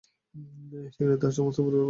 সেখানেই তাঁহার সমস্ত পরিবার বাস করিতেছিল।